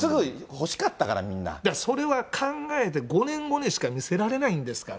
それは、だから、それは考えて、５年後にしか見せられないんですから。